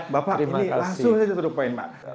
bapak ini langsung saja satu poin pak